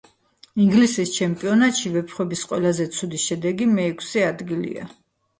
ინგლისის ჩემპიონატში „ვეფხვების“ ყველაზე ცუდი შედეგი მეექვსე ადგილია.